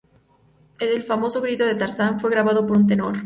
El famoso grito de Tarzán fue grabado por un tenor.